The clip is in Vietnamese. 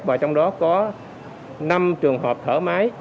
và trong đó có năm trường hợp thở máy